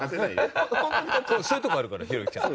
そういうところあるからひろゆきさん。